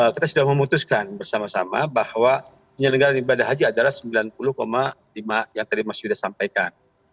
kita sudah memutuskan bersama sama bahwa penyelenggaran ibadah haji adalah sembilan puluh lima yang tadi mas yuda sampaikan